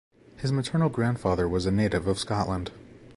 His maternal grandfather was a native of Scotland.